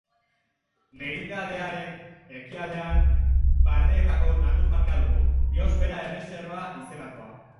Merindadearen ekialdean Bardeetako Natur Parkea dugu, Biosfera erreserba izendatua.